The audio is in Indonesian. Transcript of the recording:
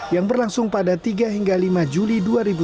yang berlangsung pada tiga hingga lima juli dua ribu dua puluh